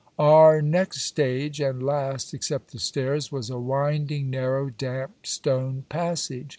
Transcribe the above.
Our next stage, and last except the stairs, was a winding, narrow, damp, stone passage.